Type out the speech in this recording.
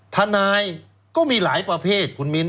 ทนายก็มีหลายประเภทคุณมิ้น